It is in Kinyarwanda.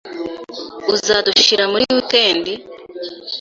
Uzadushira muri wikendi?